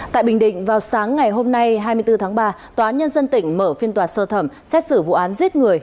tại bình định vào sáng ngày hôm nay hai mươi bốn tháng ba tòa án nhân dân tỉnh mở phiên tòa sơ thẩm xét xử vụ án giết người